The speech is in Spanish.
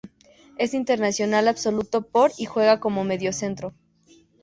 Es internacional absoluto por y juega como mediocentro.